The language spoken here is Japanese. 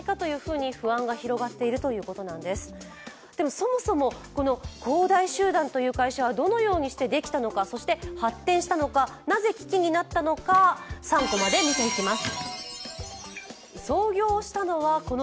そもそも恒大集団という会社はどのようにしてできたのか、そして発展したのか、なぜ危機になったのか３コマで見ていきます。